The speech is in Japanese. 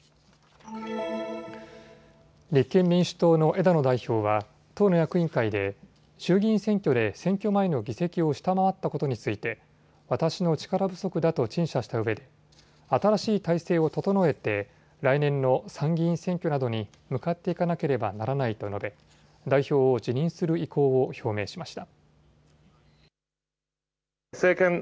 立憲民主党の枝野代表は党の役員会で衆議院選挙で選挙前の議席を下回ったことについて私の力不足だと陳謝したうえで新しい体制を整えて来年の参議院選挙などに向かっていかなければならないと述べ代表を辞任する意向を表明しました。